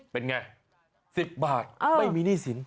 เป็นอย่างไร๑๐บาทไม่มีหนี้สิน